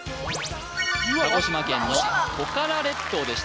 鹿児島県のトカラ列島でした